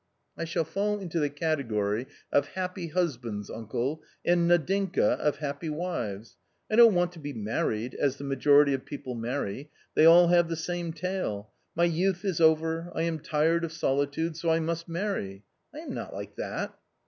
"I shall fall into the category of happy husbands, uncle, and Nadinka of happy wives. I don't want to be married, as the majority of people marry ; they all have the same tale :' My youth is over, I am tired of solitude, so I must marry !' I am not like that